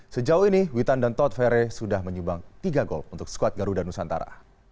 sejauh ini witan dan tod fere sudah menyumbang tiga gol untuk skuad garuda nusantara